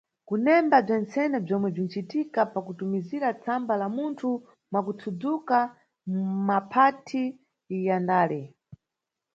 Kunemba bzentsene bzomwe bzinʼcitika pakutumikira tsamba la munthu mwakutsudzuka, maphathi ya ndale.